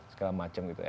segala macam gitu